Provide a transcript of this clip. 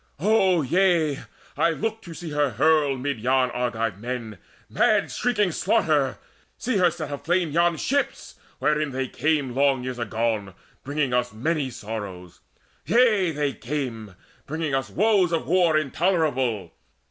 O yea, I look To see her hurl amid yon Argive men Mad shrieking slaughter, see her set aflame Yon ships wherein they came long years agone Bringing us many sorrows, yea, they came Bringing us woes of war intolerable.